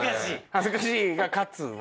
「恥ずかしい」が勝つわな。